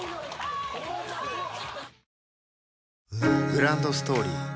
グランドストーリー